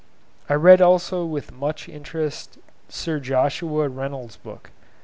I read also with much interest Sir Joshua Reynolds' book.